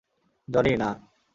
Johnny, না।